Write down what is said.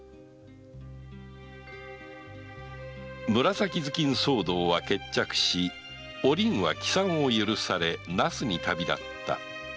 紫頭巾騒動は決着しおりんは帰参を許され那須に旅立った